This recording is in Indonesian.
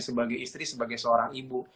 sebagai istri sebagai seorang ibu